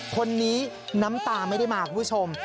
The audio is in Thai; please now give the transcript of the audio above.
คนนี้น้ำตาไม่ได้มาคุณผู้ชม